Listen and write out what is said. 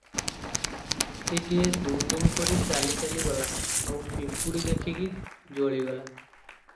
ହାତୀଟିଏ ଦୁମ ଦୁମ କରି ଚାଲି ଚାଲି ଗଲା ଆଉ ପିମ୍ପୂଡ଼ି ଦେଖିକି ଜଳିଗଲା